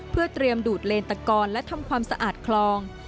เพื่อเตรียมดูดเลนตะกอนและทำความสะอาดคลอง